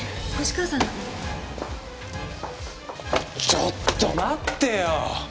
ちょっと待ってよ！